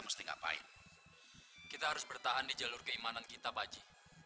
mesti ngapain kita harus bertahan di jalur keimanan kita baji